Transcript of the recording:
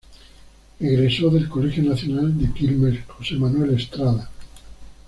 Egresó del Colegio Nacional de Quilmes Jose Manuel Estrada.